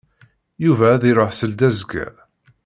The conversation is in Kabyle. Yuba ad iṛuḥ seld azekka.